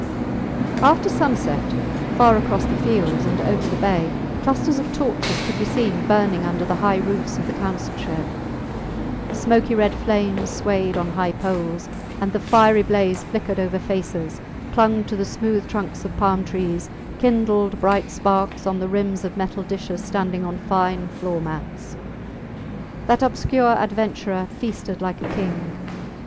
After sunset, far across the fields and over the bay, clusters of torches could be seen burning under the high roofs of the council shed. Smoky red flames swayed on high poles, and the fiery blaze flickered over faces, clung to the smooth trunks of palm trees, kindled bright sparks on the rims of metal dishes standing on fine floor mats. That obscure adventurer feasted like a king.